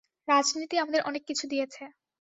রাজনীতি আমাদের অনেক কিছু দিয়েছে।